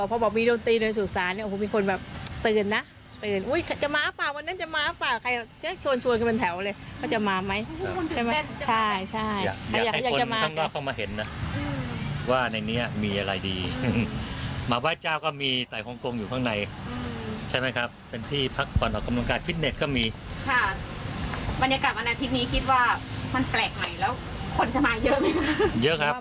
แต่ฟิตเน็ตก็มีค่ะบรรยากาศอันอาทิตย์นี้คิดว่ามันแปลกใหม่แล้วคนจะมาเยอะไหมคะ